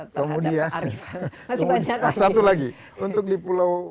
kemudian satu lagi untuk di pulau